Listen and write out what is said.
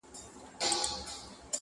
قدرت ژوند، دین او ناموس د پاچاهانو!